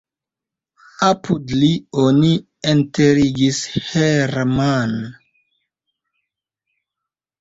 Apud li oni enterigis Herrmann.